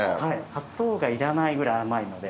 砂糖がいらないぐらい甘いので。